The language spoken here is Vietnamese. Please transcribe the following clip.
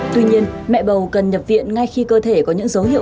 tuy nhiên mẹ bầu cần nhập viện ngay khi cơ thể có những dấu hiệu